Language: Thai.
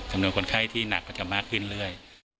จำนวนคนไข้ที่หนักมันจะมากขึ้นเลย